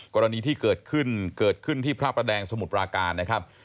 กรณีที่เกิดขึ้นเกิดขึ้นที่พระประแดงสมุทรปราการนะครับ